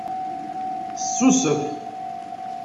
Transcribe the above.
Tessusef.